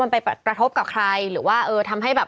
เป็นการกระตุ้นการไหลเวียนของเลือด